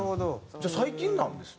じゃあ最近なんですね